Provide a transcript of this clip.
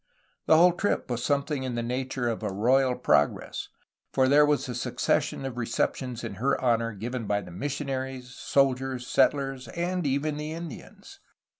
The whole trip was something in the nature of a royal progress, for there was a succession of receptions in her honor given by the mission aries, soldiers, settlers, and even the Indians.